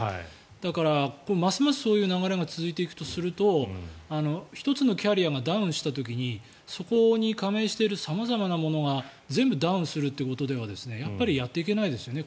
だから、ますますそういう流れが続いていくとすると１つのキャリアがダウンした時にそこに加盟している様々なものが全部ダウンするってことではやっぱりやっていけないですよね